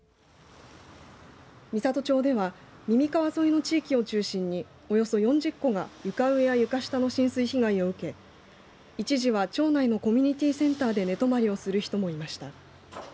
美郷町では耳川沿いの地域を中心におよそ４０戸が床上や床下の浸水被害を受け一時は町内のコミュニティセンターで寝泊まりをする人もいました。